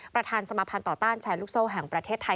ประธานสมาภัณฑ์ต่อต้านแชร์ลูกโซ่แห่งประเทศไทย